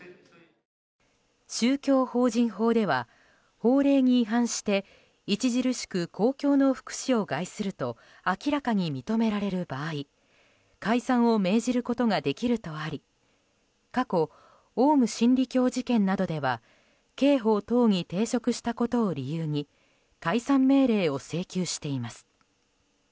宗教法人法では、法令に違反して著しく公共の福祉を害すると明らかに認められる場合解散を命じることができるとあり過去、オウム真理教事件などでは刑法等に抵触したことを理由に解散命令を請求しています。